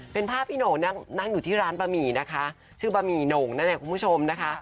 เป็นภาพพี่โหน่งนั่งอยู่ที่ร้านบะหมี่นะคะชื่อบะหมี่โหน่งนั่นแหละคุณผู้ชมนะคะ